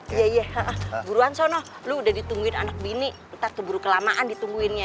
ya ya buruan sono lu udah ditungguin anak bini tak terburu buru kelamaan ditungguinnya